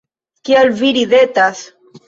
Kial vi ridetas?